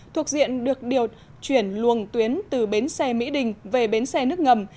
thuộc diện được chuyển luồng tuyến từ bến xe mỹ đình về bến xe nước ngầm